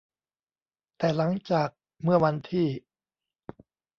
แต่หลังจากเมื่อวันที่